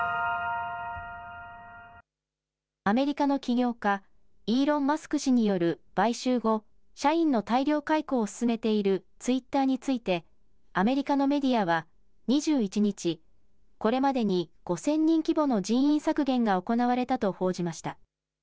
アメリカの起業家、イーロン・マスク氏による買収後、社員の大量解雇を進めているツイッターについてアメリカのメディアは２１日、これまでに５０００人規模の人員削減が行われたと報じました。